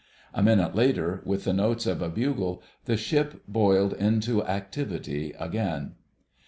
A minute later, with the notes of a bugle, the ship boiled into activity again.